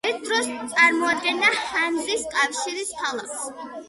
ერთ დროს წამოადგენდა ჰანზის კავშირის ქალაქს.